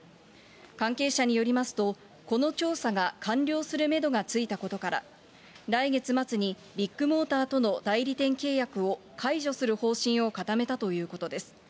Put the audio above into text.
関係者によりますと、この調査が完了するメドがついたことから、来月末にビッグモーターとの代理店契約を解除する方針を固めたということです。